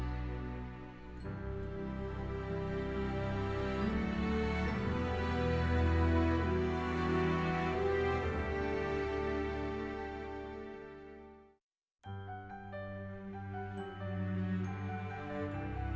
apakah kalian believer bahwa budaya pemerintah ini akan hemosilkan dan merangkatici modalitas tersebut